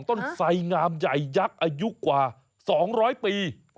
ไตงามใหญ่ยักษ์อายุกว่า๒๐๐ปี